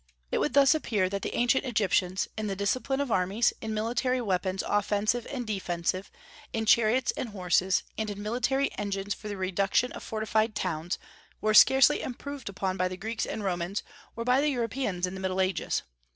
It would thus appear that the ancient Egyptians, in the discipline of armies, in military weapons offensive and defensive, in chariots and horses, and in military engines for the reduction of fortified towns, were scarcely improved upon by the Greeks and Romans, or by the Europeans in the Middle Ages.